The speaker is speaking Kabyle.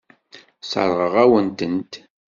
Sseṛɣeɣ-awen-tent.